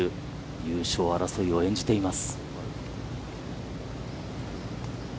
優勝争いを演じています。